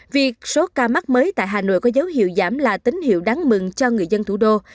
việc số ca mắc mới tại hà nội có dấu hiệu giảm là tín hiệu đáng mừng cho người dân thủ đô